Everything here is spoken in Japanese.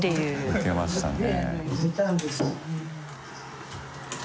受けましたね。